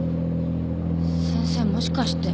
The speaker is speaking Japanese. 先生もしかして？